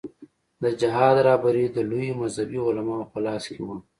د جهاد رهبري د لویو مذهبي علماوو په لاس کې وه.